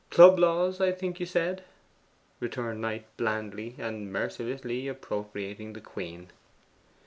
'Club laws, I think you said?' returned Knight blandly, and mercilessly appropriating the queen.